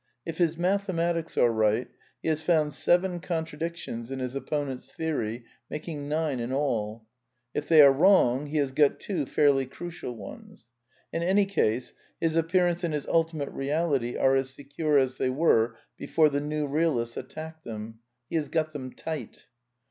If his mathematics are right he has found seven contra dictions in his opponent's theory, making nine in alL If they are wrong, he has got two fairly crucial ones. In ^ any case, his appearance and his ultimate reality are afl. ^ secure as they were before the new realists attacked them ;he has got them tight.